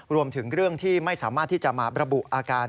รวมถึงเรื่องที่ไม่สามารถที่จะมาระบุอาการ